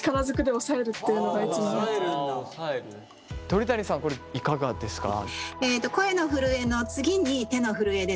鳥谷さんこれいかがですか？